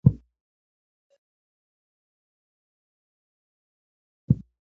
سمندر نه شتون د افغانستان د بشري فرهنګ برخه ده.